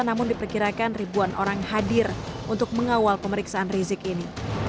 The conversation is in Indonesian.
namun diperkirakan ribuan orang hadir untuk mengawal pemeriksaan rizik ini